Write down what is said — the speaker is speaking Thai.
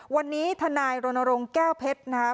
วันนี้ทนายรณรงค์แก้วเพชรนะครับ